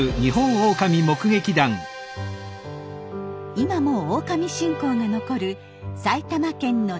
今もオオカミ信仰が残る埼玉県の秩父。